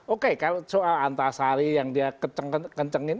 oke kalau soal antasari yang dia kencengin